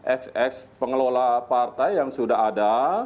ex ex pengelola partai yang sudah ada